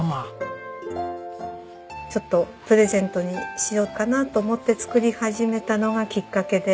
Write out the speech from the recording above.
ちょっとプレゼントにしようかなと思って作り始めたのがきっかけで。